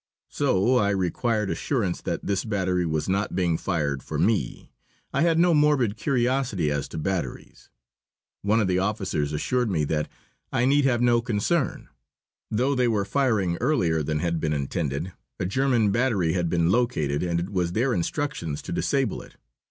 So I required assurance that this battery was not being fired for me. I had no morbid curiosity as to batteries. One of the officers assured me that I need have no concern. Though they were firing earlier than had been intended, a German battery had been located and it was their instructions to disable it.